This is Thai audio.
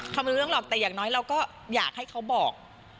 เขาไม่รู้เรื่องหรอกแต่อย่างน้อยเราก็อยากให้เขาบอก